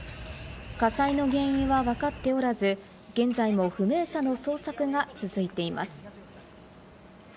火災の原因はわかっておらず、現在も不明者の捜索が続いています。